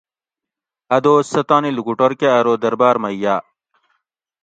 ا دوس سہ تانی لوکوٹور کہ ارو درباۤر مئی یاۤ